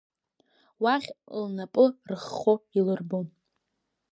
Уахь лнапы рыххо илырбон.